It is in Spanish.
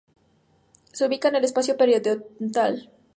Se ubica en el espacio periodontal.